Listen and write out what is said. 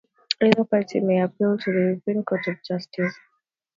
Either party may appeal to the European Court of Justice.